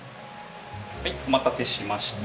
はいお待たせしました。